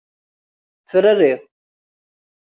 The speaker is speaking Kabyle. Frari.